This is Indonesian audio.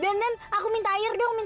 ya playa yang dalam ini